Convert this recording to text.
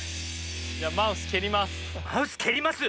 じゃマウスけります。